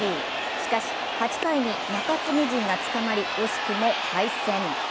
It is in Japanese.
しかし８回に中継ぎ陣がつかまり惜しくも敗戦。